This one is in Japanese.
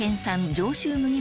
上州麦